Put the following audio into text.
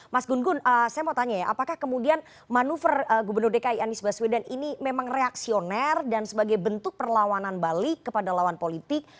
mas gun gun saya mau tanya ya apakah kemudian manuver gubernur dki anies baswedan ini memang reaksioner dan sebagai bentuk perlawanan balik kepada lawan politik